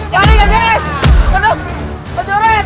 pak jorid dan